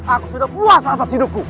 aku sudah puas atas hidupku